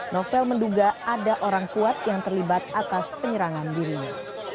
novel menduga ada orang kuat yang terlibat atas penyerangan dirinya